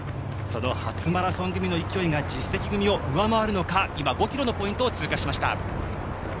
その初マラソン組の勢いが実績組を上回るのか今、５ｋｍのポイントを通過しました。